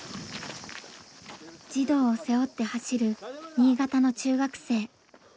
児童を背負って走る新潟の中学生。